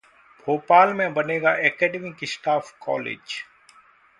भोपाल में बनेगा academic staff college